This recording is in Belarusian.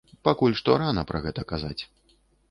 Пакуль што рана пра гэта казаць.